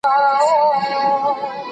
ما د لنډو کیسو په لوستلو پیل وکړ.